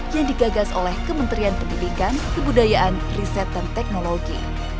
yang digagas oleh kementerian pendidikan kebudayaan riset dan teknologi